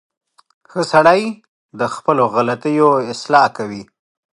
• ښه سړی د خپلو غلطیو اصلاح کوي.